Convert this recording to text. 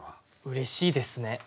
うれしいですね。